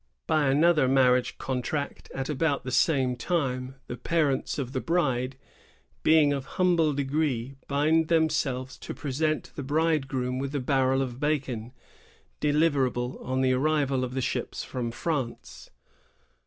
By another marriage contract, at about the same time, the parents of the bride, being of humble degree, bind themselves to present the bridegroom with a barrel of bacon, deliver able on the arrival of the ships from France.